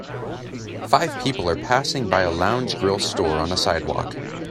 Five people are passing by a LoungeGrill store on a sidewalk.